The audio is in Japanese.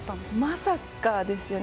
まさかですよね。